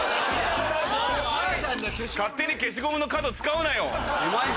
勝手に消しゴムの角使うなよ。